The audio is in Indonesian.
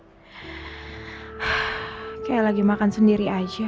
terasa sunyi dan sepi hai lagi makan sendiri aja